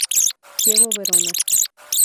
Chievo Verona.